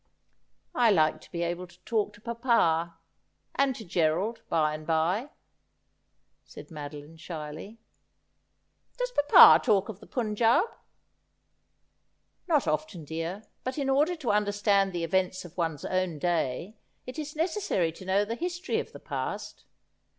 ' I like to be able to talk to papa — and to Gerald, by and by,' said Madoline shyly. ' Does papa talk of the Punjaub ?'' Not often, dear ; but in order to understand the events of one's own day, it is necessary to know the history of the past.